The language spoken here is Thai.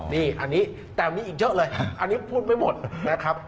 นี่อันนี้แต่มีอีกเยอะเลยอันนี้พูดไม่หมดนะครับ